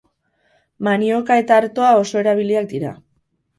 Manioka eta artoa oso erabiliak dira.